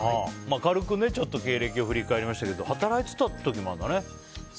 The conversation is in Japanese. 軽く経歴を振り返りましたけど働いてた時もあるんだね。